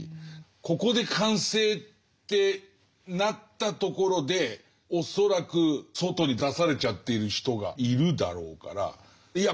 ここで完成ってなったところで恐らく外に出されちゃっている人がいるだろうからいや